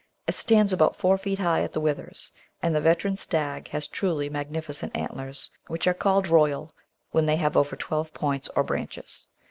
It stands about four feet high at the withers, and the veteran stag has truly magnificent antlers, which are called "royal" when they have over twelve "points" or branches.